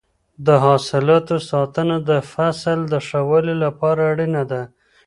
د حاصلاتو ساتنه د فصل د ښه والي لپاره اړینه ده.